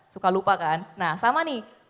suka lupa kan nah sama nih